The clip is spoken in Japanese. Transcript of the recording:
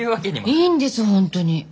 いいんです本当に。